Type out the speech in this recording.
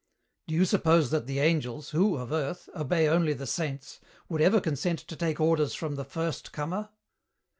"Do you suppose that the Angels, who, of earth, obey only the saints, would ever consent to take orders from the first comer?"